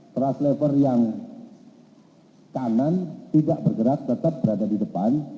translator yang kanan tidak bergerak tetap berada di depan